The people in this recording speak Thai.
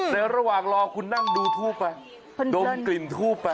ระหว่างรอคุณนั่งดูทูบไปดมกลิ่นทูบไป